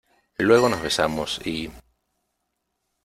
luego nos besamos y...